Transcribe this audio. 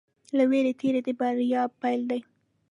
له وېرې تېری د بریا پيل دی.